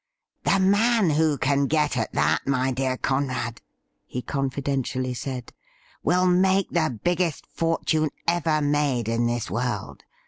' The man who can get at that, my dear Conrad,' he confidentially said, 'will make the biggest fortune ever made in this world.